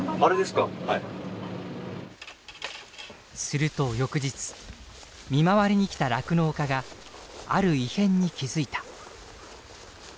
すると翌日見回りに来た酪農家がある異変に気付いた。